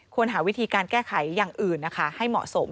หาวิธีการแก้ไขอย่างอื่นนะคะให้เหมาะสม